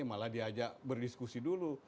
malah diajak berdiskusi dulu